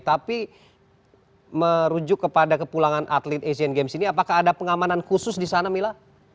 tapi merujuk kepada kepulangan atlet asian games ini apakah ada pengamanan khusus di sana mila